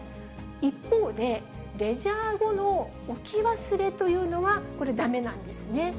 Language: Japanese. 一方で、レジャー後の置き忘れというのは、これ、だめなんですね。